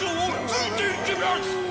ついていきます！」。